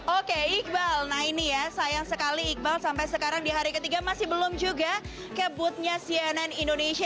oke iqbal nah ini ya sayang sekali iqbal sampai sekarang di hari ketiga masih belum juga ke booth nya cnn indonesia